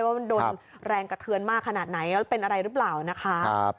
ว่ามันโดนแรงกระเทือนมากขนาดไหนแล้วเป็นอะไรหรือเปล่านะคะ